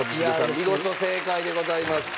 見事正解でございます。